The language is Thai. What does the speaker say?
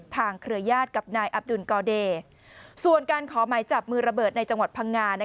เครือญาติกับนายอับดุลกอเดย์ส่วนการขอหมายจับมือระเบิดในจังหวัดพังงา